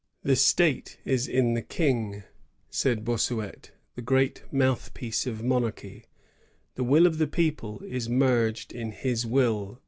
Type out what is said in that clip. "The State is in the King," said Bossuet, the great mouthpiece of monarchy; "the will of the people is merged in his will.